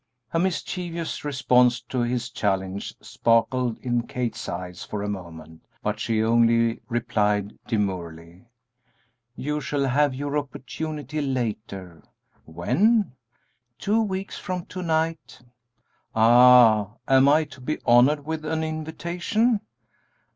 A mischievous response to his challenge sparkled in Kate's eyes for a moment, but she only replied, demurely, "You shall have your opportunity later." "When?" "Two weeks from to night." "Ah! am I to be honored with an invitation?"